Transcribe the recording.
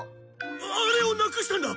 あれをなくしたんだ！